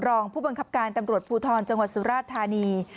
รองผู้บังคับการตำรวจภูทรจังหวัดสุราธานี